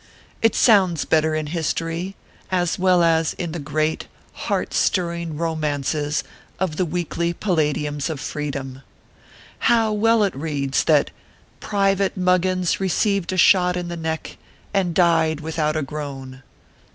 It sounds better in history, as well as in the great, heart stirring romances of the weekly palladiums of freedom. How well it reads, that Private Muggins received a shot in the neck and died without a groan!